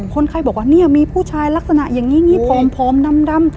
คนไข้บอกว่าเนี่ยมีผู้ชายลักษณะอย่างนี้อย่างนี้ผอมดำ